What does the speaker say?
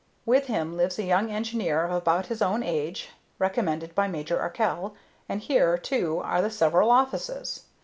With him lives a young engineer of about his own age, recommended by Major Arkell, and here, too, are the several offices.